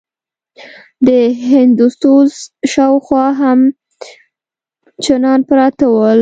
د هندوسوز شاوخوا هم چمنان پراته ول.